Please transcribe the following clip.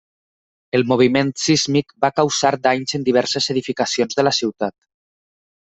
El moviment sísmic va causar danys en diverses edificacions de la ciutat.